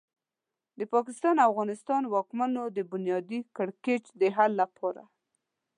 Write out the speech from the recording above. د پاکستان او افغانستان واکمنو د بنیادي کړکېچ د حل لپاره.